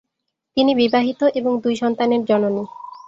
তিনি বিবাহিত এবং দুই সন্তানের জননী।